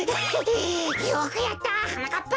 よくやったはなかっぱ！